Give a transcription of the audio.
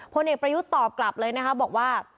พลเอกประยุทธ์ตอบกลับเลยนะคะบอกว่า